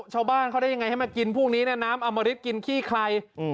ชาวบ้านเขาได้ยังไงให้มากินพวกนี้น้ำอมริตกินขี้ใคร